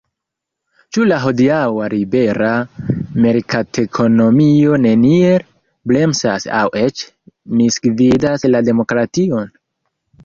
Ĉu la hodiaŭa libera merkatekonomio neniel bremsas aŭ eĉ misgvidas la demokration?